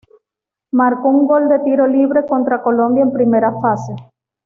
Marcó un gol de tiro libre contra Colombia en primera fase.